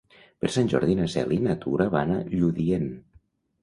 Per Sant Jordi na Cel i na Tura van a Lludient.